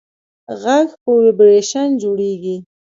غږ په ویبرېشن جوړېږي.